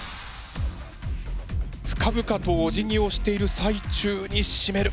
深々とおじぎをしている最中にしめる。